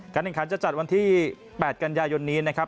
แข่งขันจะจัดวันที่๘กันยายนนี้นะครับ